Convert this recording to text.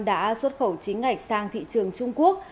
đã xuất khẩu chính ngạch sang thị trường trung quốc